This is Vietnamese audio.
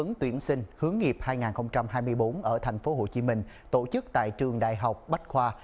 hướng tuyển sinh hướng nghiệp hai nghìn hai mươi bốn ở tp hcm tổ chức tại trường đại học bách khoa